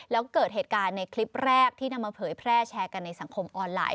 แล้วเกิดเหตุการณ์ในคลิปแรกที่นำมาเผยแพร่แชร์กันในสังคมออนไลน